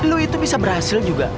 lu itu bisa berhasil juga